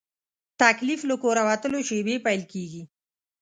تکلیف له کوره وتلو شېبې پیل کېږي.